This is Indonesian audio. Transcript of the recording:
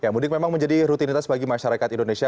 mudik memang menjadi rutinitas bagi masyarakat indonesia